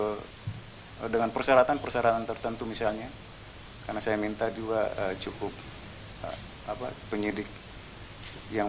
hai dengan persyaratan persyaratan tertentu misalnya karena saya minta dua cukup apa penyidik yang